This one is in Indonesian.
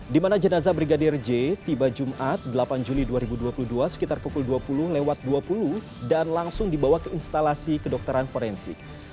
di mana jenazah brigadir j tiba jumat delapan juli dua ribu dua puluh dua sekitar pukul dua puluh lewat dua puluh dan langsung dibawa ke instalasi kedokteran forensik